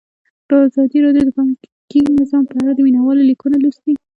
ازادي راډیو د بانکي نظام په اړه د مینه والو لیکونه لوستي.